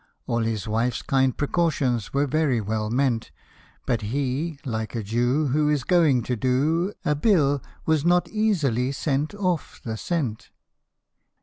All his wife's kind precautions were very well meant, But he, like a Jew Who is going to do A bill, was not easily sent off the scent.